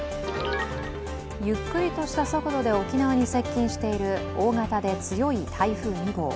ゆっくりとした速度で沖縄に接近している大型で強い台風２号。